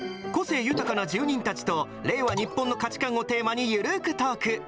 個性豊かな住人たちと、令和日本の価値観をテーマにゆるくトーク。